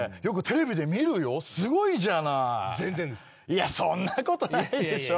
いやそんなことないでしょ。